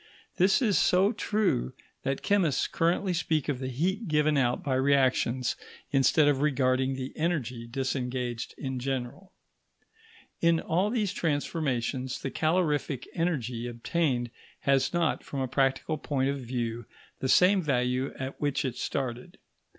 This is so true, that chemists currently speak of the heat given out by reactions instead of regarding the energy disengaged in general. In all these transformations the calorific energy obtained has not, from a practical point of view, the same value at which it started.